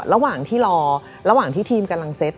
ระหว่างที่รอระหว่างที่ทีมกำลังเซ็ต